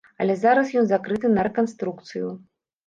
Але зараз ён закрыты на рэканструкцыю.